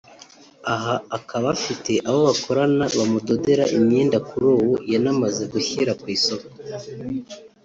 aha akaba afite abo bakorana bamudodera imyenda kuri ubu yanamaze gushyira ku isoko